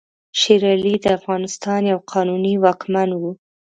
شېر علي د افغانستان یو قانوني واکمن وو.